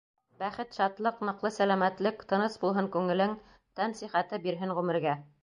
Бәхет-шатлыҡ, ныҡлы сәләмәтлек Тыныс булһын күңелең, Тән сихәте бирһен ғүмергә.